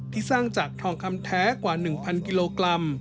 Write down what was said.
ที่สร้างจากทองคำแท้กว่า๑๐๐กิโลกรัม